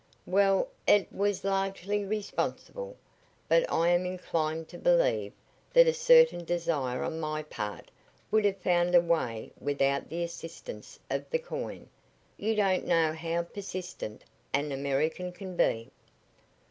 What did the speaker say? "Well, it was largely responsible, but I am inclined to believe that a certain desire on my part would have found a way without the assistance of the coin. You don't know how persistent an American can be."